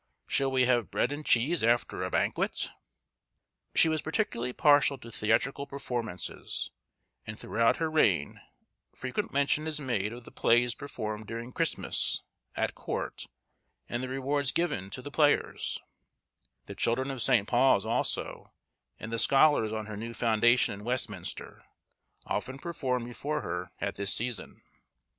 shall we have bread and cheese after a banquet." She was particularly partial to theatrical performances, and throughout her reign frequent mention is made of the plays performed during Christmas, at Court, and the rewards given to the players; the children of St. Paul's also, and the scholars on her new foundation in Westminster, often performed before her at this season.